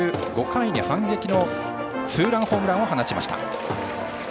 ５回に、反撃のツーランホームランを放ちました。